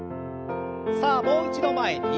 さあもう一度前に。